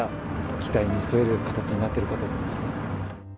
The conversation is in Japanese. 期待に沿える形になっていると思います。